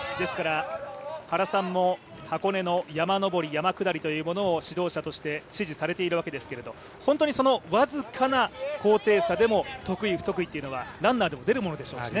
原さんも箱根の山登り山下りというものを指導者として、指示されていますが、僅かな高低差でも得意不得意っていうのはランナーでも出るものでしょうしね。